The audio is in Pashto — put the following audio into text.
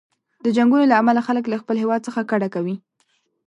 د جنګونو له امله خلک له خپل هیواد څخه کډه کوي.